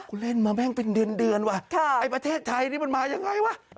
คุณเล่นมาแม่งเป็นเดือนเดือนว่ะไอ้ประเทศไทยนี่มันมายังไงวะ